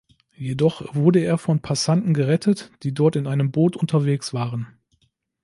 Jedoch wurde er von Passanten gerettet, die dort in einem Boot unterwegs waren.